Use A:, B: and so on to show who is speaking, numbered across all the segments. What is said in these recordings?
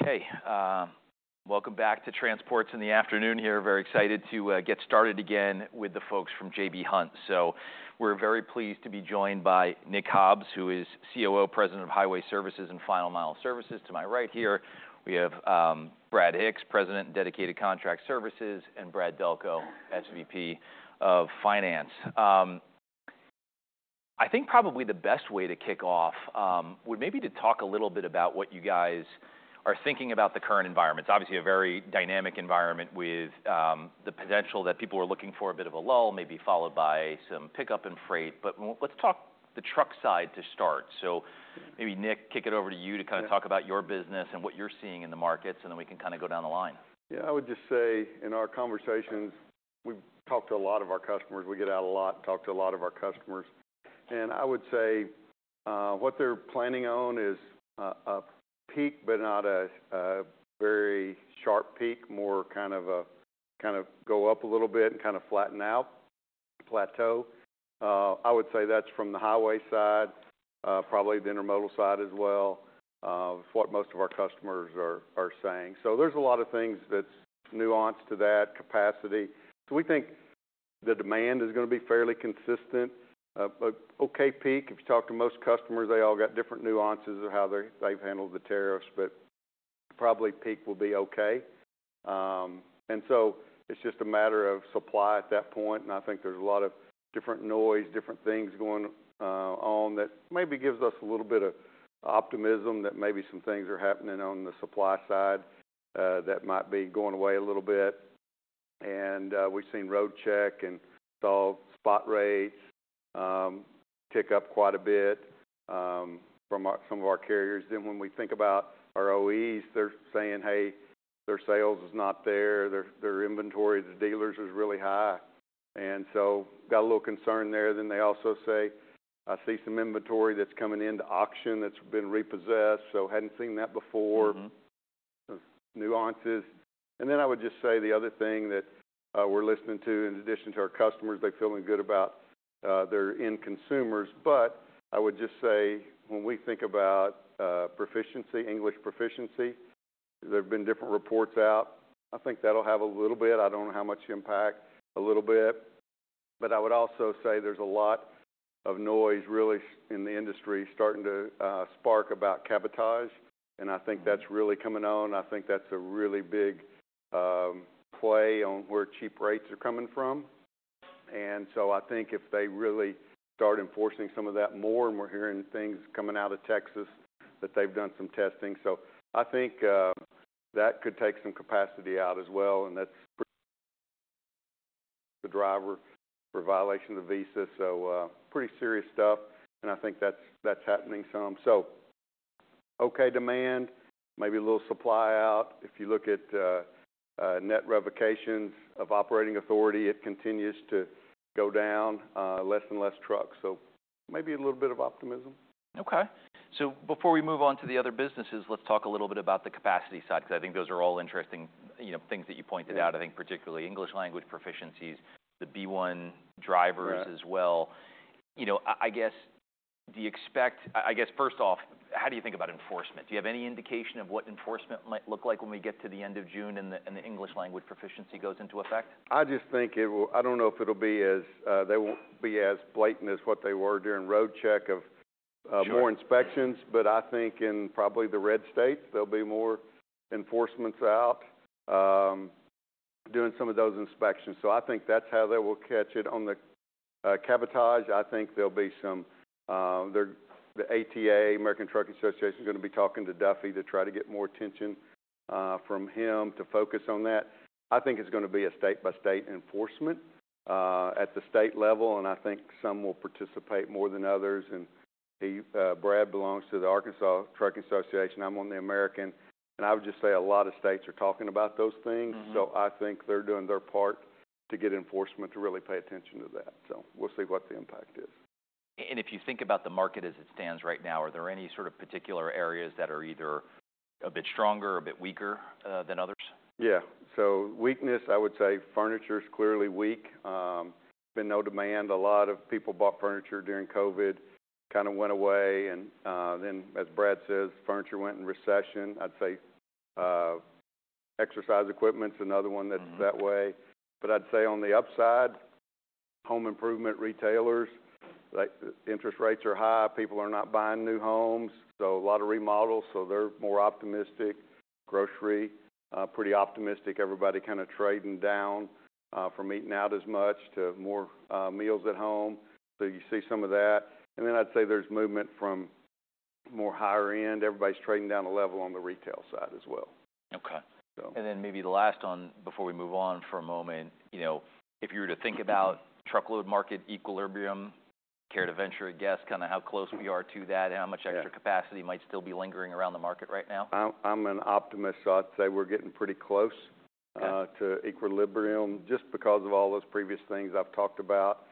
A: Okay, welcome back to Transports in the afternoon here. Very excited to get started again with the folks from J.B. Hunt. We are very pleased to be joined by Nick Hobbs, who is COO, President of Highway Services and Final Mile Services. To my right here, we have Brad Hicks, President and Dedicated Contract Services, and Brad Delco, SVP of Finance. I think probably the best way to kick off would maybe be to talk a little bit about what you guys are thinking about the current environment. It's obviously a very dynamic environment with the potential that people are looking for a bit of a lull, maybe followed by some pickup in freight. Let's talk the truck side to start. Maybe, Nick, kick it over to you to kind of talk about your business and what you're seeing in the markets, and then we can kind of go down the line.
B: Yeah, I would just say in our conversations, we've talked to a lot of our customers. We get out a lot and talk to a lot of our customers. I would say what they're planning on is a peak, but not a very sharp peak, more kind of a kind of go up a little bit and kind of flatten out, plateau. I would say that's from the highway side, probably the intermodal side as well is what most of our customers are saying. There are a lot of things that's nuanced to that capacity. We think the demand is going to be fairly consistent. Okay, peak. If you talk to most customers, they all got different nuances of how they've handled the tariffs, but probably peak will be okay. It's just a matter of supply at that point. I think there's a lot of different noise, different things going on that maybe gives us a little bit of optimism that maybe some things are happening on the supply side that might be going away a little bit. We've seen road check and stall spot rates tick up quite a bit from some of our carriers. When we think about our OEs, they're saying, "Hey, their sales is not there. Their inventory at the dealers is really high." Got a little concern there. They also say, "I see some inventory that's coming into auction that's been repossessed." Hadn't seen that before. Nuances. I would just say the other thing that we're listening to, in addition to our customers, they're feeling good about their end consumers. I would just say when we think about proficiency, English proficiency, there have been different reports out. I think that'll have a little bit. I don't know how much impact, a little bit. I would also say there's a lot of noise really in the industry starting to spark about cabotage. I think that's really coming on. I think that's a really big play on where cheap rates are coming from. I think if they really start enforcing some of that more, and we're hearing things coming out of Texas that they've done some testing. I think that could take some capacity out as well. That's the driver for violation of the visa. Pretty serious stuff. I think that's happening some. Okay, demand, maybe a little supply out. If you look at net revocations of operating authority, it continues to go down, less and less trucks. So maybe a little bit of optimism.
A: Okay. So before we move on to the other businesses, let's talk a little bit about the capacity side, because I think those are all interesting things that you pointed out. I think particularly English language proficiencies, the B1 drivers as well. I guess, do you expect, I guess, first off, how do you think about enforcement? Do you have any indication of what enforcement might look like when we get to the end of June and the English language proficiency goes into effect?
B: I just think it will, I don't know if it'll be as, they won't be as blatant as what they were during road check of more inspections. I think in probably the red states, there'll be more enforcements out doing some of those inspections. I think that's how they will catch it on the cabotage. I think there'll be some, the ATA, American Trucking Associations, going to be talking to Duffy to try to get more attention from him to focus on that. I think it's going to be a state-by-state enforcement at the state level. I think some will participate more than others. Brad belongs to the Arkansas Trucking Association. I'm on the American. I would just say a lot of states are talking about those things. I think they're doing their part to get enforcement to really pay attention to that. We'll see what the impact is.
A: If you think about the market as it stands right now, are there any sort of particular areas that are either a bit stronger or a bit weaker than others?
B: Yeah. Weakness, I would say furniture is clearly weak. There's been no demand. A lot of people bought furniture during COVID, kind of went away. As Brad says, furniture went in recession. I'd say exercise equipment is another one that's that way. On the upside, home improvement retailers, interest rates are high. People are not buying new homes. A lot of remodels, so they're more optimistic. Grocery, pretty optimistic. Everybody kind of trading down from eating out as much to more meals at home. You see some of that. I'd say there's movement from more higher end. Everybody's trading down a level on the retail side as well.
A: Okay. Maybe the last one, before we move on for a moment, if you were to think about truckload market equilibrium, care to venture, I guess, kind of how close we are to that and how much extra capacity might still be lingering around the market right now?
B: I'm an optimist. I'd say we're getting pretty close to equilibrium just because of all those previous things I've talked about.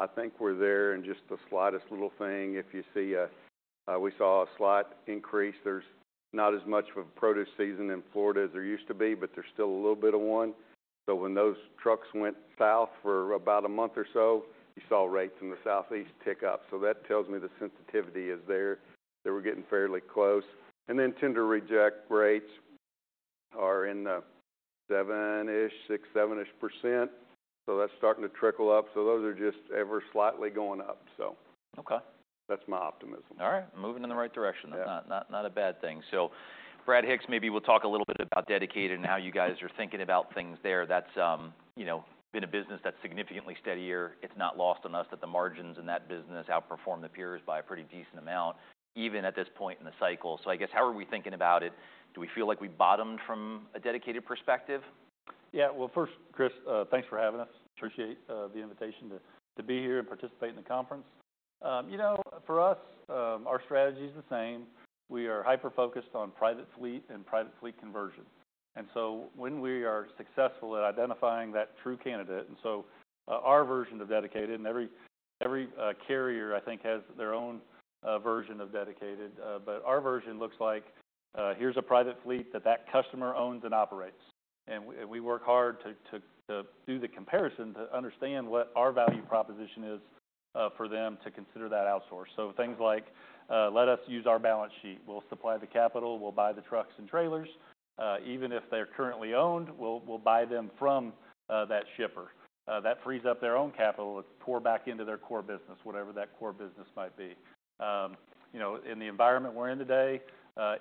B: I think we're there in just the slightest little thing. If you see a, we saw a slight increase. There's not as much of a produce season in Florida as there used to be, but there's still a little bit of one. When those trucks went south for about a month or so, you saw rates in the Southeast tick up. That tells me the sensitivity is there. They were getting fairly close. Tender reject rates are in the 7-ish, 6, 7-ish % range. That's starting to trickle up. Those are just ever slightly going up. That's my optimism.
A: All right. Moving in the right direction. Not a bad thing. Brad Hicks, maybe we'll talk a little bit about Dedicated and how you guys are thinking about things there. That's been a business that's significantly steadier. It's not lost on us that the margins in that business outperform the peers by a pretty decent amount, even at this point in the cycle. I guess, how are we thinking about it? Do we feel like we bottomed from a dedicated perspective?
C: Yeah. First, Chris, thanks for having us. Appreciate the invitation to be here and participate in the conference. You know, for us, our strategy is the same. We are hyper-focused on private fleet and private fleet conversion. When we are successful at identifying that true candidate, our version of Dedicated, and every carrier, I think, has their own version of Dedicated, but our version looks like, here's a private fleet that that customer owns and operates. We work hard to do the comparison to understand what our value proposition is for them to consider that outsource. Things like, let us use our balance sheet. We'll supply the capital. We'll buy the trucks and trailers. Even if they're currently owned, we'll buy them from that shipper. That frees up their own capital to pour back into their core business, whatever that core business might be. In the environment we are in today,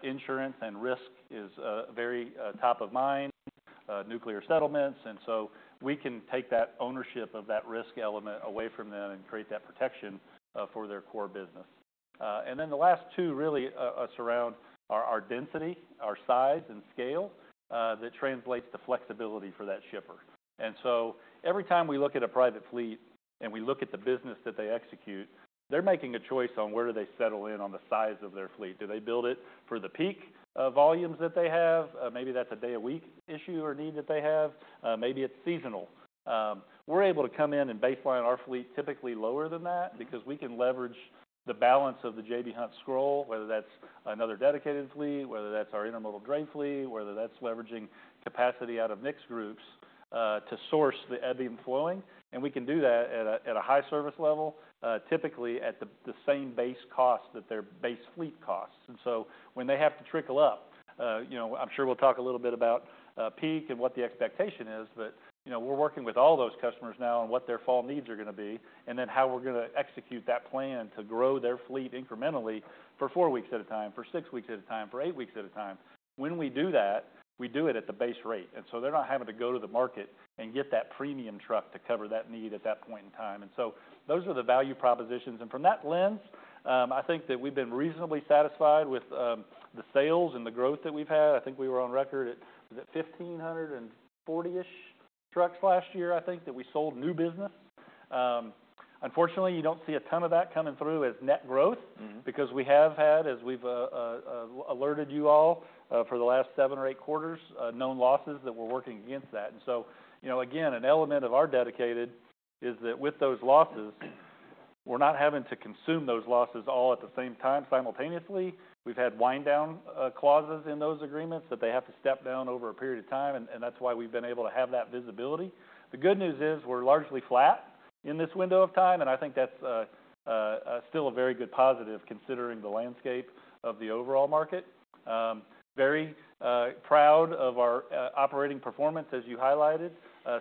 C: insurance and risk is very top of mind. Nuclear settlements. We can take that ownership of that risk element away from them and create that protection for their core business. The last 2 really surround our density, our size and scale that translates to flexibility for that shipper. Every time we look at a private fleet and we look at the business that they execute, they are making a choice on where do they settle in on the size of their fleet. Do they build it for the peak volumes that they have? Maybe that is a day-a-week issue or need that they have. Maybe it is seasonal. We're able to come in and baseline our fleet typically lower than that because we can leverage the balance of the J.B. Hunt scroll, whether that's another dedicated fleet, whether that's our intermodal drain fleet, whether that's leveraging capacity out of mixed groups to source the ebbing and flowing. We can do that at a high service level, typically at the same base cost that their base fleet costs. When they have to trickle up, I'm sure we'll talk a little bit about peak and what the expectation is, but we're working with all those customers now on what their full needs are going to be and then how we're going to execute that plan to grow their fleet incrementally for 4 weeks at a time, for 6 weeks at a time, for 8 weeks at a time. When we do that, we do it at the base rate. They are not having to go to the market and get that premium truck to cover that need at that point in time. Those are the value propositions. From that lens, I think that we have been reasonably satisfied with the sales and the growth that we have had. I think we were on record at 1,540-ish trucks last year, I think, that we sold new business. Unfortunately, you do not see a ton of that coming through as net growth because we have had, as we have alerted you all for the last 7 or 8 quarters, known losses that we are working against. Again, an element of our dedicated is that with those losses, we are not having to consume those losses all at the same time simultaneously. We've had wind-down clauses in those agreements that they have to step down over a period of time. That is why we've been able to have that visibility. The good news is we're largely flat in this window of time. I think that's still a very good positive considering the landscape of the overall market. Very proud of our operating performance, as you highlighted.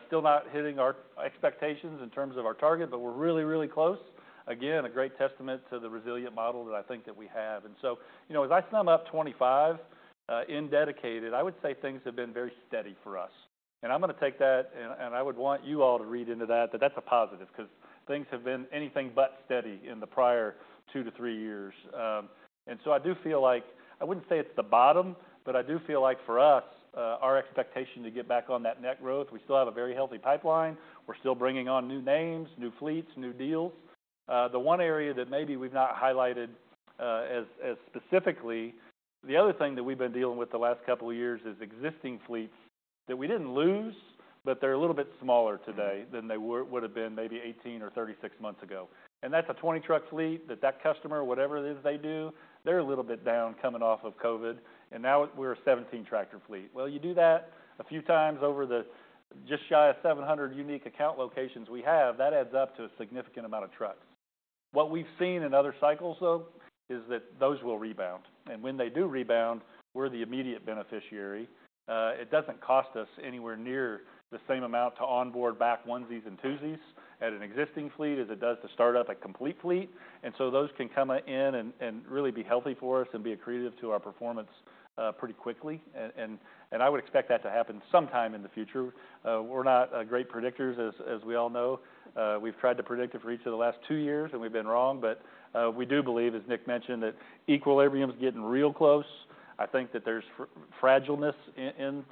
C: Still not hitting our expectations in terms of our target, but we're really, really close. Again, a great testament to the resilient model that I think that we have. As I sum up 2025 in dedicated, I would say things have been very steady for us. I'm going to take that, and I would want you all to read into that, that that's a positive because things have been anything but steady in the prior 2 to 3 years. I do feel like I would not say it is the bottom, but I do feel like for us, our expectation to get back on that net growth, we still have a very healthy pipeline. We are still bringing on new names, new fleets, new deals. The one area that maybe we have not highlighted as specifically, the other thing that we have been dealing with the last couple of years is existing fleets that we did not lose, but they are a little bit smaller today than they would have been maybe 18 or 36 months ago. That is a 20-truck fleet that that customer, whatever it is they do, they are a little bit down coming off of COVID. Now we are a 17-tractor fleet. You do that a few times over the just shy of 700 unique account locations we have, that adds up to a significant amount of trucks. What we've seen in other cycles, though, is that those will rebound. When they do rebound, we're the immediate beneficiary. It doesn't cost us anywhere near the same amount to onboard back onesies and twosies at an existing fleet as it does to start up a complete fleet. Those can come in and really be healthy for us and be accretive to our performance pretty quickly. I would expect that to happen sometime in the future. We're not great predictors, as we all know. We've tried to predict it for each of the last 2 years, and we've been wrong. We do believe, as Nick mentioned, that equilibrium is getting real close. I think that there's fragilness in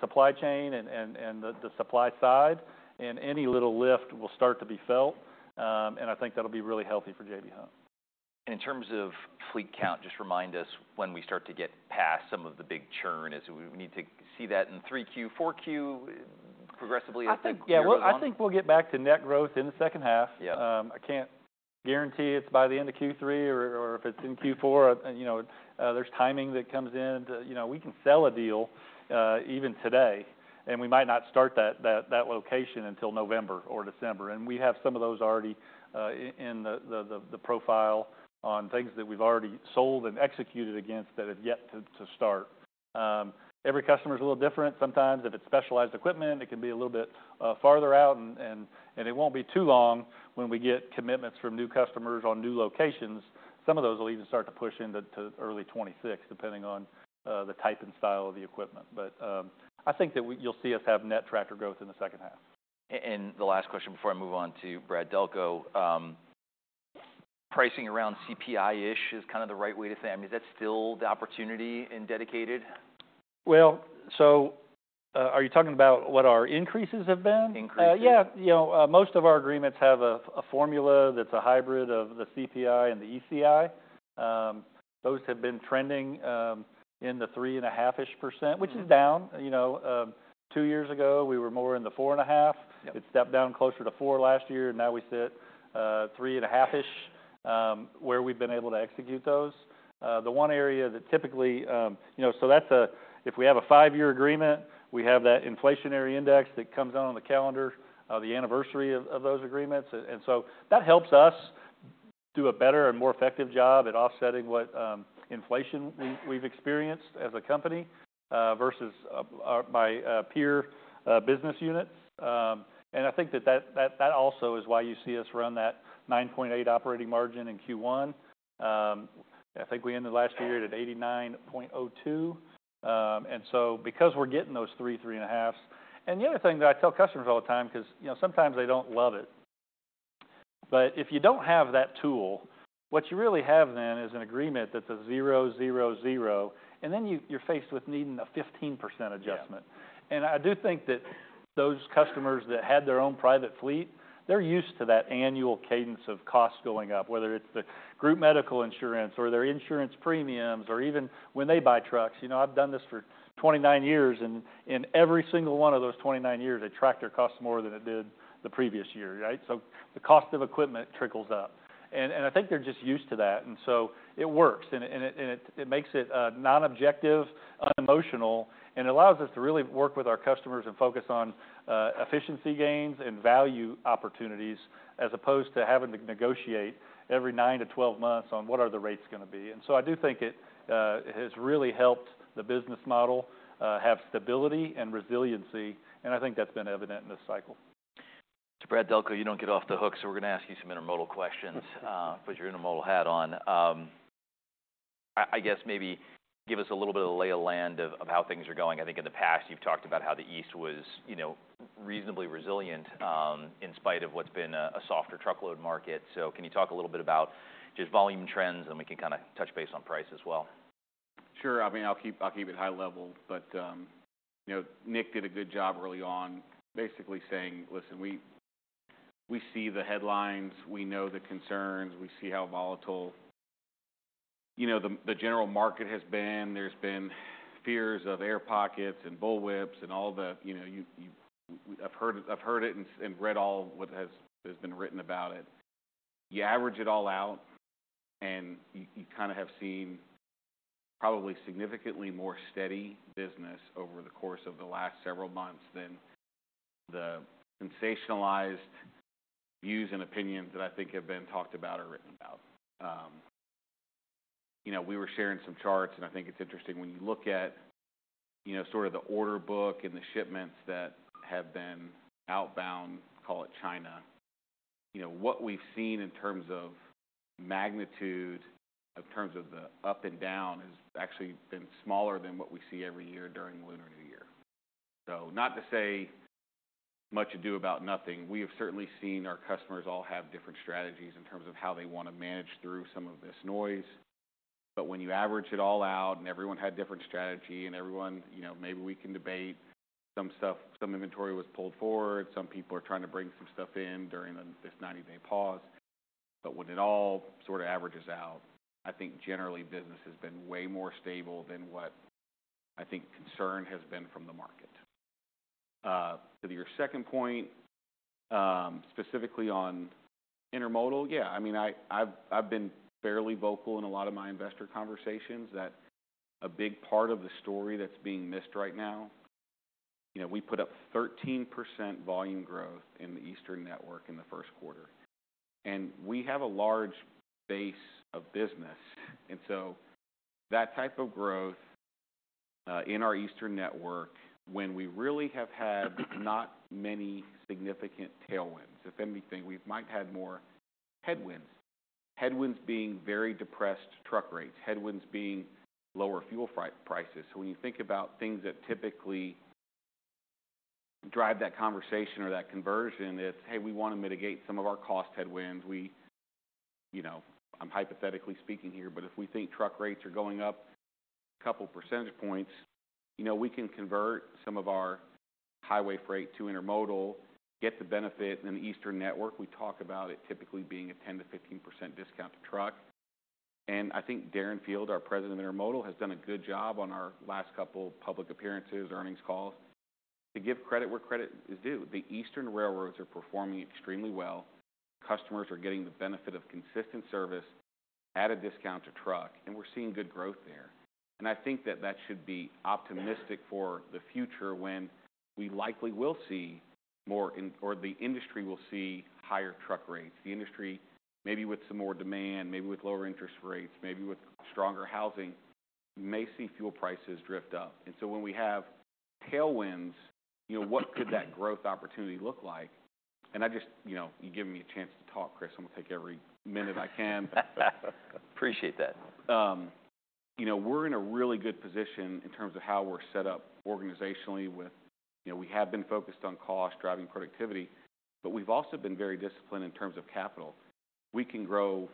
C: supply chain and the supply side. Any little lift will start to be felt. I think that'll be really healthy for J.B. Hunt.
A: Hunt in terms of fleet count. Just remind us when we start to get past some of the big churn as we need to see that in 3Q, 4Q, progressively as the year goes on. I think we'll get back to net growth in the second half.
C: I can't guarantee it's by the end of Q3 or if it's in Q4. There's timing that comes in. We can sell a deal even today. We might not start that location until November or December. We have some of those already in the profile on things that we've already sold and executed against that have yet to start. Every customer is a little different. Sometimes if it's specialized equipment, it can be a little bit farther out. It won't be too long when we get commitments from new customers on new locations. Some of those will even start to push into early 2026, depending on the type and style of the equipment. I think that you'll see us have net tractor growth in the second half.
A: The last question before I move on to Brad Delco, pricing around CPI-ish is kind of the right way to say. I mean, is that still the opportunity in dedicated?
D: Are you talking about what our increases have been?
A: Increases.
D: Yeah. Most of our agreements have a formula that's a hybrid of the CPI and the ECI. Those have been trending in the 3 and a half-ish range, which is down. 2 years ago, we were more in the 4 and a half. It stepped down closer to 4% last year. Now we sit 3 and a half-ish where we've been able to execute those. The one area that typically, so that's if we have a 5-year agreement, we have that inflationary index that comes out on the calendar of the anniversary of those agreements. That helps us do a better and more effective job at offsetting what inflation we've experienced as a company versus my peer business units. I think that that also is why you see us run that 9.8% operating margin in Q1. I think we ended last year at an 89.02%. Because we're getting those 3, 3 and a halfs. The other thing that I tell customers all the time, because sometimes they do not love it, but if you do not have that tool, what you really have then is an agreement that is a zero, zero, zero. You are faced with needing a 15% adjustment. I do think that those customers that had their own private fleet, they are used to that annual cadence of costs going up, whether it is the group medical insurance or their insurance premiums or even when they buy trucks. I have done this for 29 years. In every single one of those 29 years, a tractor costs more than it did the previous year, right? The cost of equipment trickles up. I think they are just used to that. It works. It makes it non-objective, unemotional, and allows us to really work with our customers and focus on efficiency gains and value opportunities as opposed to having to negotiate every 9 to 12 months on what are the rates going to be. I do think it has really helped the business model have stability and resiliency. I think that's been evident in this cycle.
A: Brad Delco, you don't get off the hook. We're going to ask you some intermodal questions. Put your intermodal hat on. I guess maybe give us a little bit of the lay of land of how things are going. I think in the past, you've talked about how the East was reasonably resilient in spite of what's been a softer truckload market. Can you talk a little bit about just volume trends? We can kind of touch base on price as well.
D: Sure. I mean, I'll keep it high level. Nick did a good job early on, basically saying, listen, we see the headlines. We know the concerns. We see how volatile the general market has been. There's been fears of air pockets and bullwhips and all the, I've heard it and read all what has been written about it. You average it all out, and you kind of have seen probably significantly more steady business over the course of the last several months than the sensationalized views and opinions that I think have been talked about or written about. We were sharing some charts. I think it's interesting when you look at sort of the order book and the shipments that have been outbound, call it China, what we've seen in terms of magnitude, in terms of the up and down, has actually been smaller than what we see every year during Lunar New Year. Not to say much to do about nothing. We have certainly seen our customers all have different strategies in terms of how they want to manage through some of this noise. When you average it all out and everyone had different strategy and everyone, maybe we can debate some stuff, some inventory was pulled forward, some people are trying to bring some stuff in during this 90-day pause. When it all sort of averages out, I think generally business has been way more stable than what I think concern has been from the market. To your second point, specifically on intermodal, yeah, I mean, I've been fairly vocal in a lot of my investor conversations that a big part of the story that's being missed right now, we put up 13% volume growth in the Eastern network in the first quarter. And we have a large base of business. That type of growth in our Eastern network, when we really have had not many significant tailwinds, if anything, we might have had more headwinds, headwinds being very depressed truck rates, headwinds being lower fuel prices. When you think about things that typically drive that conversation or that conversion, it's, hey, we want to mitigate some of our cost headwinds. I'm hypothetically speaking here, but if we think truck rates are going up a couple of percentage points, we can convert some of our highway freight to intermodal, get the benefit in the Eastern network. We talk about it typically being a 10-15% discount to truck. I think Darren Field, our President of Intermodal, has done a good job on our last couple of public appearances, earnings calls. To give credit where credit is due, the Eastern railroads are performing extremely well. Customers are getting the benefit of consistent service at a discount to truck. We're seeing good growth there. I think that that should be optimistic for the future when we likely will see more or the industry will see higher truck rates. The industry, maybe with some more demand, maybe with lower interest rates, maybe with stronger housing, may see fuel prices drift up. When we have tailwinds, what could that growth opportunity look like? You give me a chance to talk, Chris. I'm going to take every minute I can. Appreciate that. We're in a really good position in terms of how we're set up organizationally with we have been focused on cost, driving productivity, but we've also been very disciplined in terms of capital. We can grow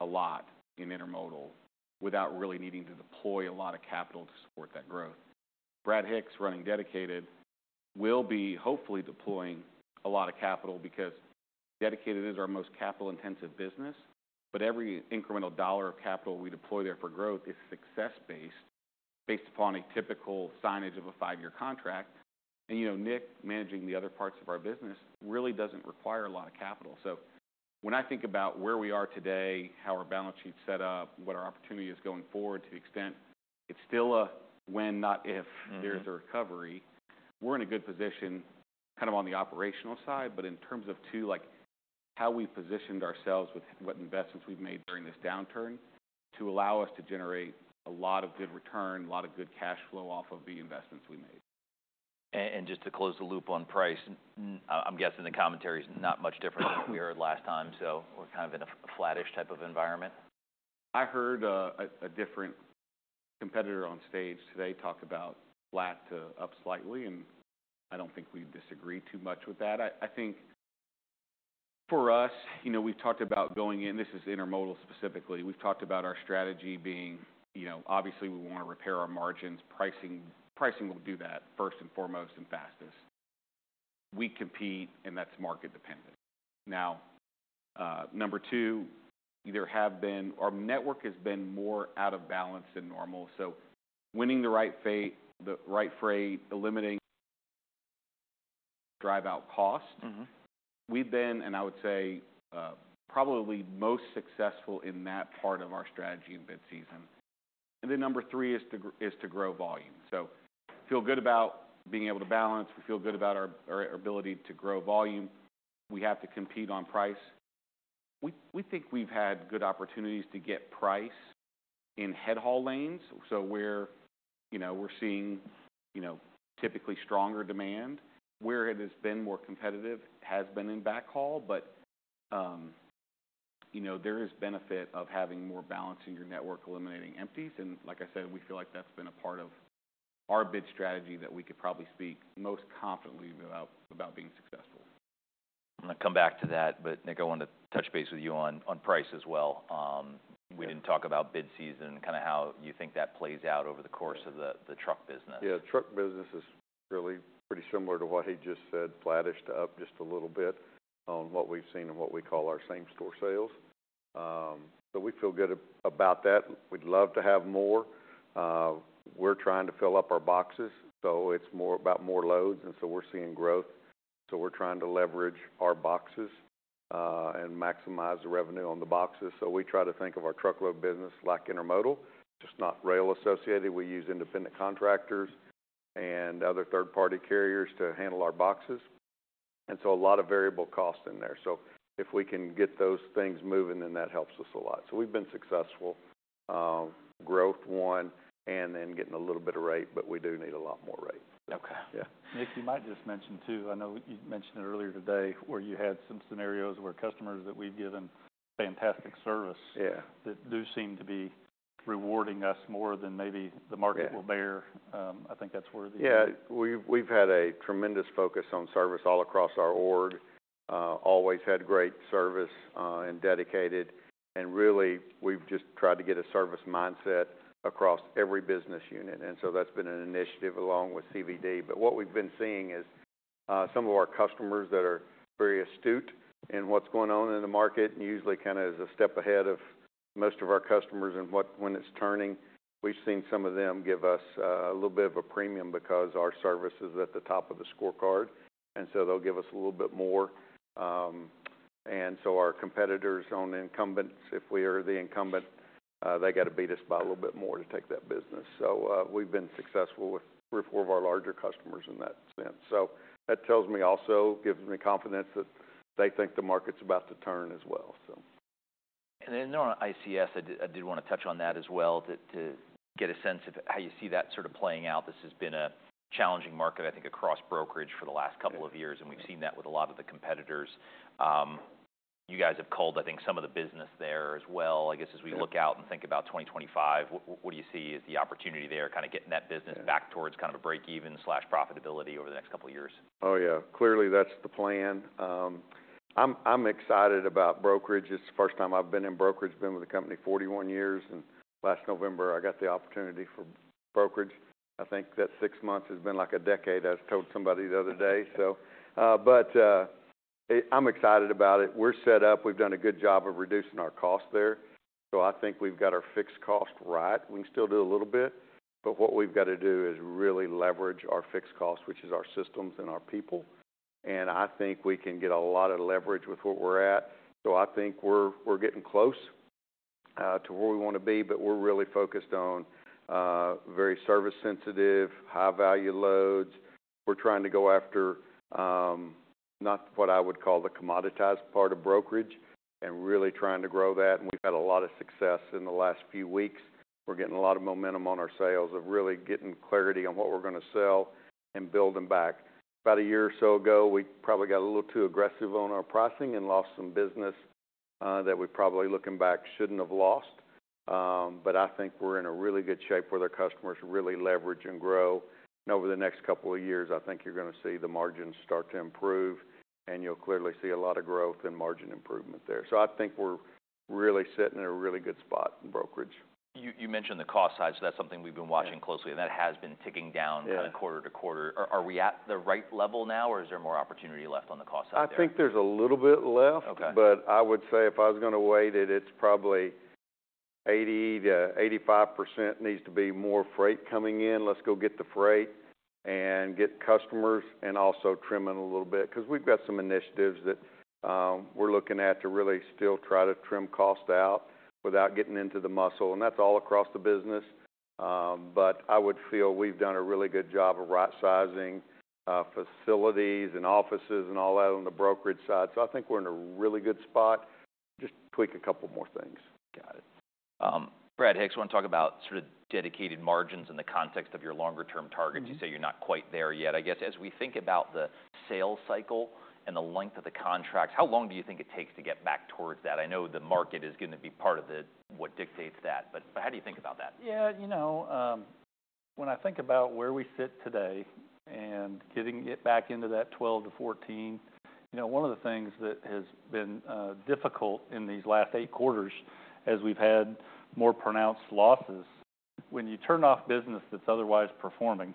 D: a lot in intermodal without really needing to deploy a lot of capital to support that growth. Brad Hicks, running dedicated, will be hopefully deploying a lot of capital because dedicated is our most capital-intensive business. Every incremental dollar of capital we deploy there for growth is success-based based upon a typical signage of a five-year contract. Nick, managing the other parts of our business, really doesn't require a lot of capital. When I think about where we are today, how our balance sheet's set up, what our opportunity is going forward, to the extent it's still a when not if there's a recovery, we're in a good position kind of on the operational side. In terms of how we've positioned ourselves with what investments we've made during this downturn to allow us to generate a lot of good return, a lot of good cash flow off of the investments we made.
A: Just to close the loop on price, I'm guessing the commentary is not much different than what we heard last time. We're kind of in a flattish type of environment. I heard a different competitor on stage today talk about flat to up slightly. I do not think we disagree too much with that. I think for us, we have talked about going in, this is intermodal specifically, we have talked about our strategy being, obviously, we want to repair our margins. Pricing will do that first and foremost and fastest. We compete, and that is market dependent. Now, number 2, either have been our network has been more out of balance than normal. So winning the right freight, eliminating drive-out cost. We have been, and I would say probably most successful in that part of our strategy in mid-season. Number 3 is to grow volume. Feel good about being able to balance. We feel good about our ability to grow volume. We have to compete on price. We think we have had good opportunities to get price in head haul lanes. Where we're seeing typically stronger demand, where it has been more competitive, has been in back haul. There is benefit of having more balance in your network, eliminating empties. Like I said, we feel like that's been a part of our bid strategy that we could probably speak most confidently about being successful. I'm going to come back to that. Nick, I want to touch base with you on price as well. We didn't talk about bid season and kind of how you think that plays out over the course of the truck business.
B: Yeah. Truck business is really pretty similar to what he just said, flattish to up just a little bit on what we've seen and what we call our same-store sales. We feel good about that. We'd love to have more. We're trying to fill up our boxes. It's about more loads. We're seeing growth. We're trying to leverage our boxes and maximize the revenue on the boxes. We try to think of our truckload business like intermodal, just not rail associated. We use independent contractors and other third-party carriers to handle our boxes. A lot of variable costs in there. If we can get those things moving, that helps us a lot. We've been successful. Growth, one, and then getting a little bit of rate, but we do need a lot more rate.
C: Okay. Nick, you might just mention too, I know you mentioned it earlier today where you had some scenarios where customers that we've given fantastic service that do seem to be rewarding us more than maybe the market will bear. I think that's worthy.
B: Yeah. We've had a tremendous focus on service all across our org. Always had great service in dedicated. Really, we've just tried to get a service mindset across every business unit. That's been an initiative along with CBD. What we've been seeing is some of our customers that are very astute in what's going on in the market and usually kind of is a step ahead of most of our customers and when it's turning. We've seen some of them give us a little bit of a premium because our service is at the top of the scorecard. They'll give us a little bit more. Our competitors or incumbents, if we are the incumbent, they got to beat us by a little bit more to take that business. We've been successful with 4 of our larger customers in that sense. That tells me also, gives me confidence that they think the market's about to turn as well.
A: On ICS, I did want to touch on that as well to get a sense of how you see that sort of playing out. This has been a challenging market, I think, across brokerage for the last couple of years. We have seen that with a lot of the competitors. You guys have culled, I think, some of the business there as well. I guess as we look out and think about 2025, what do you see as the opportunity there, kind of getting that business back towards kind of a break-even/profitability over the next couple of years?
B: Oh, yeah. Clearly, that's the plan. I'm excited about brokerage. It's the first time I've been in brokerage. I've been with the company 41 years. Last November, I got the opportunity for brokerage. I think that 6 months has been like a decade. I was telling somebody the other day. I'm excited about it. We're set up. We've done a good job of reducing our cost there. I think we've got our fixed cost right. We can still do a little bit. What we've got to do is really leverage our fixed cost, which is our systems and our people. I think we can get a lot of leverage with where we're at. I think we're getting close to where we want to be. We're really focused on very service-sensitive, high-value loads. We're trying to go after not what I would call the commoditized part of brokerage and really trying to grow that. We've had a lot of success in the last few weeks. We're getting a lot of momentum on our sales of really getting clarity on what we're going to sell and building back. About a year or so ago, we probably got a little too aggressive on our pricing and lost some business that we probably, looking back, shouldn't have lost. I think we're in really good shape where their customers really leverage and grow. Over the next couple of years, I think you're going to see the margins start to improve. You'll clearly see a lot of growth and margin improvement there. I think we're really sitting in a really good spot in brokerage.
A: You mentioned the cost side. That is something we've been watching closely. That has been ticking down kind of quarter to quarter. Are we at the right level now, or is there more opportunity left on the cost side there?
B: I think there's a little bit left. I would say if I was going to weigh it, it's probably 80-85% needs to be more freight coming in. Let's go get the freight and get customers and also trim it a little bit. We've got some initiatives that we're looking at to really still try to trim cost out without getting into the muscle. That's all across the business. I would feel we've done a really good job of right-sizing facilities and offices and all that on the brokerage side. I think we're in a really good spot. Just tweak a couple more things.
A: Got it. Brad Hicks, want to talk about sort of dedicated margins in the context of your longer-term targets? You say you're not quite there yet. I guess as we think about the sales cycle and the length of the contracts, how long do you think it takes to get back towards that? I know the market is going to be part of what dictates that. How do you think about that?
C: Yeah. When I think about where we sit today and getting it back into that 12-14, one of the things that has been difficult in these last 8 quarters as we've had more pronounced losses, when you turn off business that's otherwise performing,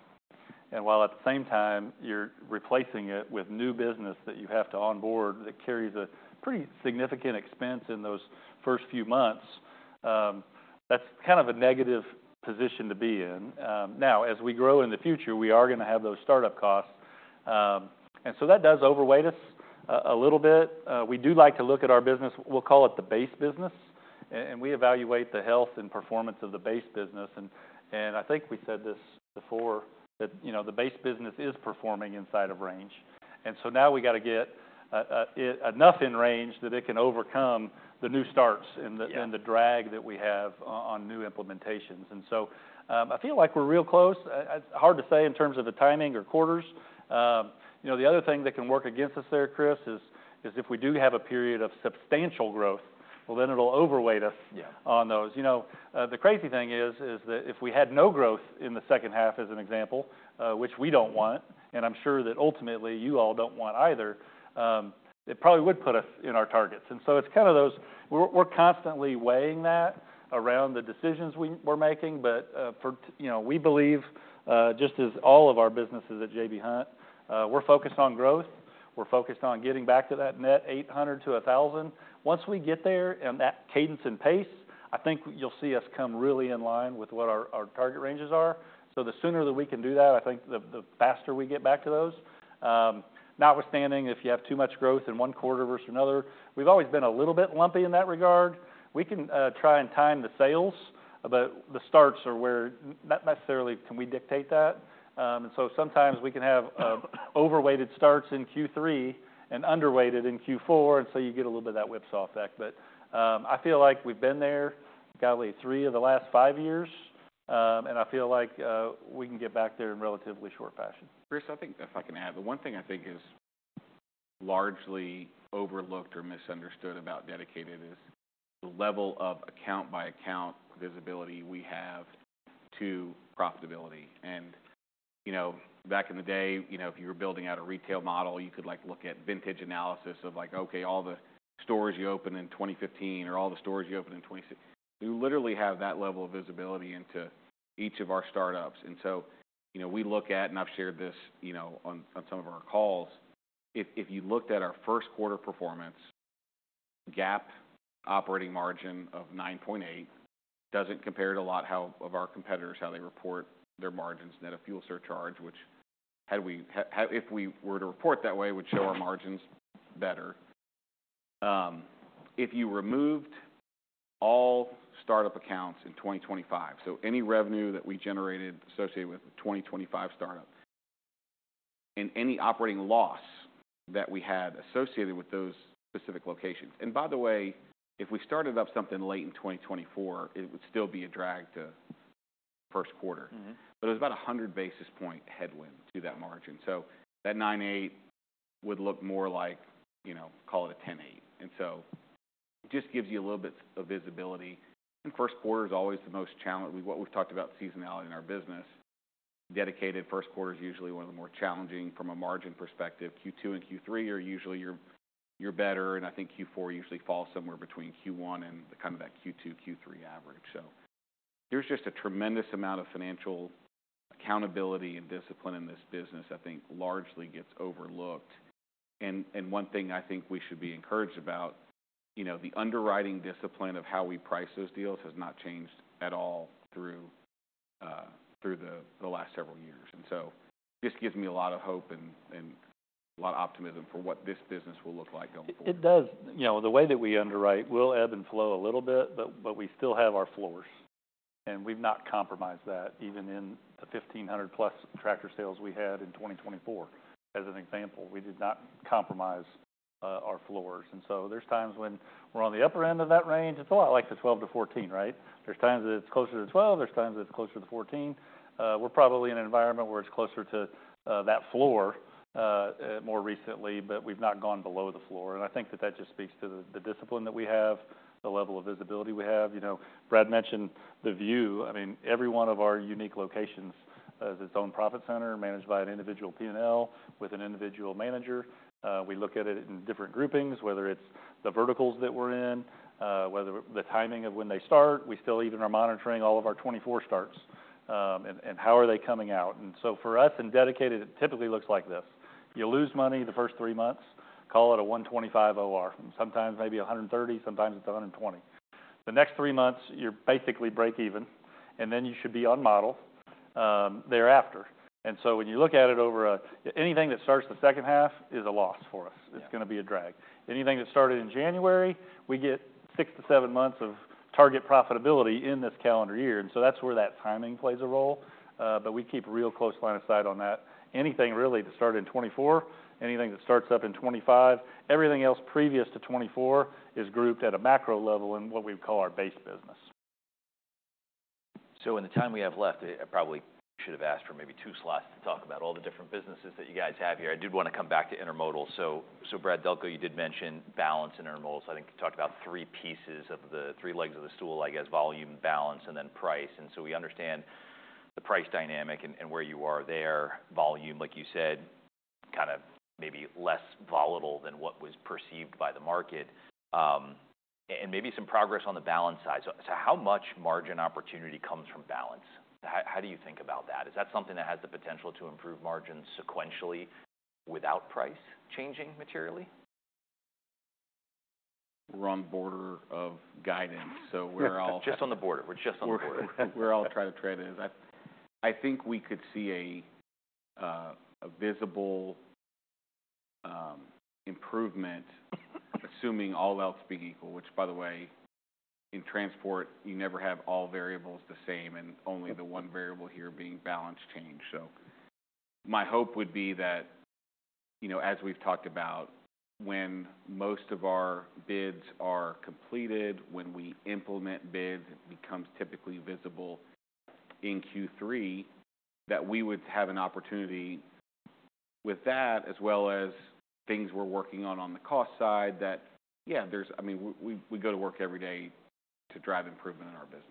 C: and while at the same time you're replacing it with new business that you have to onboard that carries a pretty significant expense in those first few months, that's kind of a negative position to be in. Now, as we grow in the future, we are going to have those startup costs. And so that does overweight us a little bit. We do like to look at our business. We'll call it the base business. And we evaluate the health and performance of the base business. And I think we said this before, that the base business is performing inside of range. Now we got to get enough in range that it can overcome the new starts and the drag that we have on new implementations. I feel like we're real close. It's hard to say in terms of the timing or quarters. The other thing that can work against us there, Chris, is if we do have a period of substantial growth, it will overweight us on those. The crazy thing is that if we had no growth in the second half, as an example, which we don't want, and I'm sure that ultimately you all don't want either, it probably would put us in our targets. It's kind of those we're constantly weighing that around the decisions we're making. We believe, just as all of our businesses at J.B. Hunt, we're focused on growth. We're focused on getting back to that net 800-1,000. Once we get there and that cadence and pace, I think you'll see us come really in line with what our target ranges are. The sooner that we can do that, I think the faster we get back to those. Notwithstanding, if you have too much growth in one quarter versus another, we've always been a little bit lumpy in that regard. We can try and time the sales. The starts are where not necessarily can we dictate that. Sometimes we can have overweighted starts in Q3 and underweighted in Q4. You get a little bit of that whipsaw effect. I feel like we've been there probably 3 of the last 5 years. I feel like we can get back there in relatively short fashion.
D: Chris, I think if I can add, the one thing I think is largely overlooked or misunderstood about dedicated is the level of account-by-account visibility we have to profitability. Back in the day, if you were building out a retail model, you could look at vintage analysis of like, okay, all the stores you opened in 2015 or all the stores you opened in 2026. We literally have that level of visibility into each of our startups. I have shared this on some of our calls, if you looked at our first quarter performance, gap operating margin of 9.8% does not compare to a lot of our competitors how they report their margins, net of fuel surcharge, which if we were to report that way, would show our margins better. If you removed all startup accounts in 2025, so any revenue that we generated associated with the 2025 startup and any operating loss that we had associated with those specific locations. By the way, if we started up something late in 2024, it would still be a drag to first quarter. It was about a 100 basis point headwind to that margin. That 9.8 would look more like, call it a 10.8. It just gives you a little bit of visibility. First quarter is always the most challenging. What we have talked about seasonality in our business, dedicated first quarter is usually one of the more challenging from a margin perspective. Q2 and Q3 are usually your better. I think Q4 usually falls somewhere between Q1 and kind of that Q2, Q3 average. There is just a tremendous amount of financial accountability and discipline in this business, I think, largely gets overlooked. One thing I think we should be encouraged about, the underwriting discipline of how we price those deals has not changed at all through the last several years. This gives me a lot of hope and a lot of optimism for what this business will look like going forward.
C: It does. The way that we underwrite will ebb and flow a little bit. But we still have our floors. And we've not compromised that even in the 1,500-plus tractor sales we had in 2024. As an example, we did not compromise our floors. And so there's times when we're on the upper end of that range. It's a lot like the 12-14, right? There's times that it's closer to 12. There's times that it's closer to 14. We're probably in an environment where it's closer to that floor more recently. But we've not gone below the floor. And I think that that just speaks to the discipline that we have, the level of visibility we have. Brad mentioned the view. I mean, every one of our unique locations is its own profit center managed by an individual P&L with an individual manager. We look at it in different groupings, whether it's the verticals that we're in, whether the timing of when they start. We still even are monitoring all of our 24 starts and how are they coming out. For us in dedicated, it typically looks like this. You lose money the first 3 months, call it a 125 OR. Sometimes maybe 130. Sometimes it's 120. The next 3 months, you're basically break even. You should be on model thereafter. When you look at it over a anything that starts the second half is a loss for us. It's going to be a drag. Anything that started in January, we get 6 to 7 months of target profitability in this calendar year. That's where that timing plays a role. We keep a real close line of sight on that. Anything really that started in 2024, anything that starts up in 2025, everything else previous to 2024 is grouped at a macro level in what we would call our base business.
A: In the time we have left, I probably should have asked for maybe 2 slots to talk about all the different businesses that you guys have here. I did want to come back to intermodal. Brad Delco, you did mention balance in intermodal. I think you talked about 3 pieces of the 3 legs of the stool, I guess, volume, balance, and then price. We understand the price dynamic and where you are there. Volume, like you said, kind of maybe less volatile than what was perceived by the market. Maybe some progress on the balance side. How much margin opportunity comes from balance? How do you think about that? Is that something that has the potential to improve margins sequentially without price changing materially?
D: We're on the border of guidance. So we're all.
A: Just on the border. We're just on the border.
D: We're all trying to trade it. I think we could see a visible improvement, assuming all else being equal, which, by the way, in transport, you never have all variables the same and only the one variable here being balance change. My hope would be that, as we've talked about, when most of our bids are completed, when we implement bids, it becomes typically visible in Q3 that we would have an opportunity with that, as well as things we're working on on the cost side that, yeah, I mean, we go to work every day to drive improvement in our business.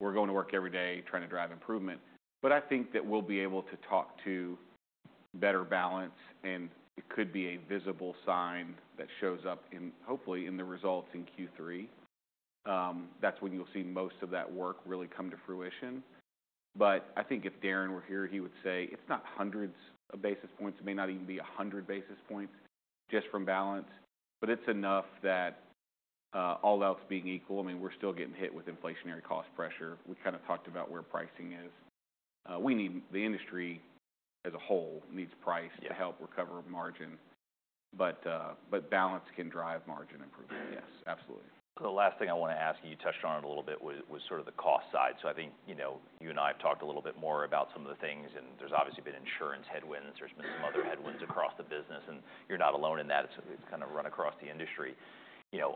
D: We're going to work every day trying to drive improvement. I think that we'll be able to talk to better balance. It could be a visible sign that shows up, hopefully, in the results in Q3. That's when you'll see most of that work really come to fruition. I think if Darren were here, he would say it's not hundreds of basis points. It may not even be 100 basis points just from balance. It's enough that all else being equal, I mean, we're still getting hit with inflationary cost pressure. We kind of talked about where pricing is. The industry as a whole needs price to help recover margin. Balance can drive margin improvement. Yes, absolutely.
A: The last thing I want to ask, and you touched on it a little bit, was sort of the cost side. I think you and I have talked a little bit more about some of the things. There's obviously been insurance headwinds. There's been some other headwinds across the business. You're not alone in that. It's kind of run across the industry.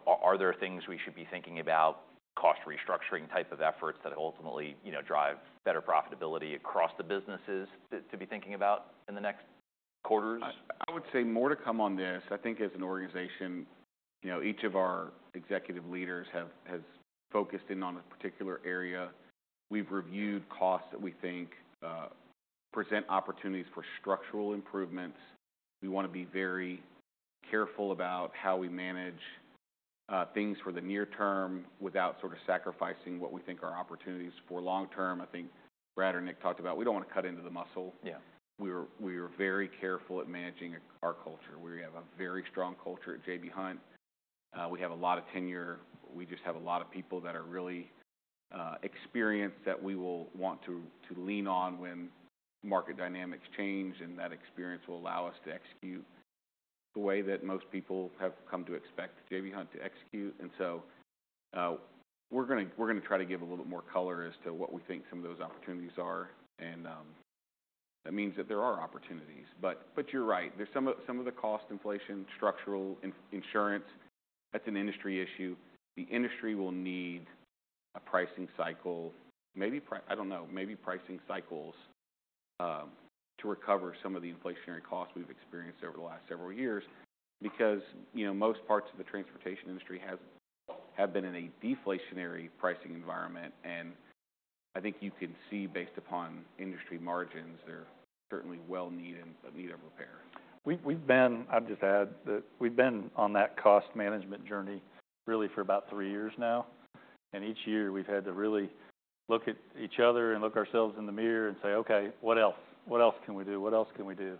A: Are there things we should be thinking about, cost restructuring type of efforts that ultimately drive better profitability across the businesses to be thinking about in the next quarters?
D: I would say more to come on this. I think as an organization, each of our executive leaders has focused in on a particular area. We've reviewed costs that we think present opportunities for structural improvements. We want to be very careful about how we manage things for the near term without sort of sacrificing what we think are opportunities for long term. I think Brad or Nick talked about we don't want to cut into the muscle. We are very careful at managing our culture. We have a very strong culture at J.B. Hunt. We have a lot of tenure. We just have a lot of people that are really experienced that we will want to lean on when market dynamics change. That experience will allow us to execute the way that most people have come to expect J.B. Hunt to execute. We're going to try to give a little bit more color as to what we think some of those opportunities are. That means that there are opportunities. You're right. Some of the cost inflation, structural insurance, that's an industry issue. The industry will need a pricing cycle, maybe, I don't know, maybe pricing cycles to recover some of the inflationary costs we've experienced over the last several years because most parts of the transportation industry have been in a deflationary pricing environment. I think you can see based upon industry margins, they're certainly well needed and in need of repair.
C: I'll just add that we've been on that cost management journey really for about 3 years now. Each year we've had to really look at each other and look ourselves in the mirror and say, "Okay, what else? What else can we do? What else can we do?"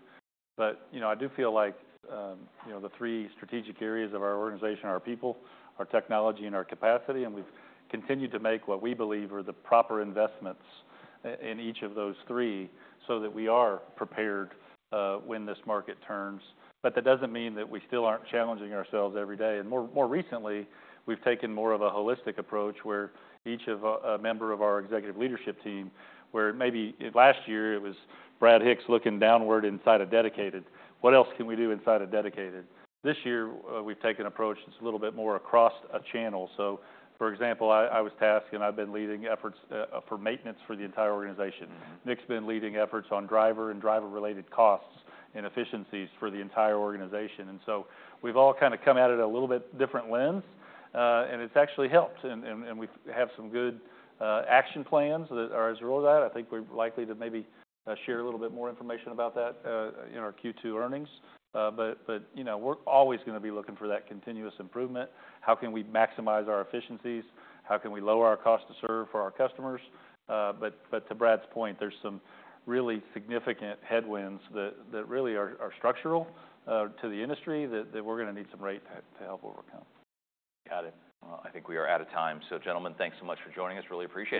C: I do feel like the 3 strategic areas of our organization are people, our technology, and our capacity. We've continued to make what we believe are the proper investments in each of those 3 so that we are prepared when this market turns. That does not mean that we still are not challenging ourselves every day. More recently, we've taken more of a holistic approach where each member of our executive leadership team, where maybe last year it was Brad Hicks looking downward inside a dedicated, what else can we do inside a dedicated? This year we've taken an approach that's a little bit more across a channel. For example, I was tasked and I've been leading efforts for maintenance for the entire organization. Nick's been leading efforts on driver and driver-related costs and efficiencies for the entire organization. We've all kind of come at it a little bit different lens. It's actually helped. We have some good action plans that are as a result of that. I think we're likely to maybe share a little bit more information about that in our Q2 earnings. We're always going to be looking for that continuous improvement. How can we maximize our efficiencies? How can we lower our cost to serve for our customers? To Brad's point, there's some really significant headwinds that really are structural to the industry that we're going to need some rate to help overcome.
A: Got it. I think we are out of time. So gentlemen, thanks so much for joining us. Really appreciate it.